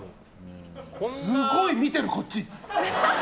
すごい見てる、こっち。